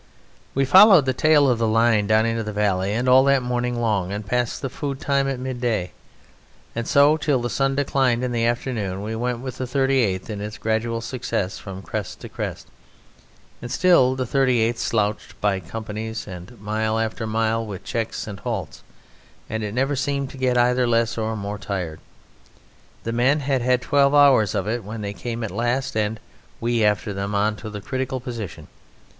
We followed the tail of the line down into the valley, and all that morning long and past the food time at midday, and so till the sun declined in the afternoon, we went with the 38th in its gradual success from crest to crest. And still the 38th slouched by companies, and mile after mile with checks and halts, and it never seemed to get either less or more tired. The men had had twelve hours of it when they came at last, and we after them, on to the critical position.